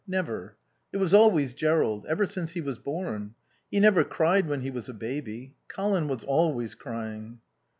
Never. It was always Jerrold. Ever since he was born. He never cried when he was a baby. Colin was always crying."